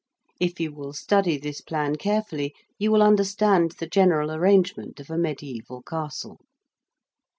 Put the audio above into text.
If you will study this plan carefully, you will understand the general arrangement of a mediæval castle.